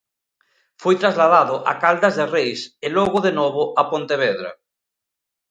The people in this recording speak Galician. Foi trasladado a Caldas de Reis e logo de novo a Pontevedra.